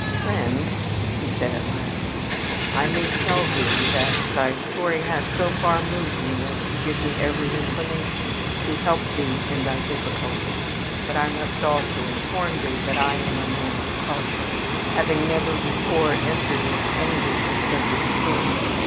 "Friend," said he, at last, "I may tell thee that thy story has so far moved me as to give me every inclination to help thee in thy difficulties, but I must also inform thee that I am a man of caution, having never before entered into any business of this sort.